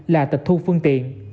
là tịch thu phương tiện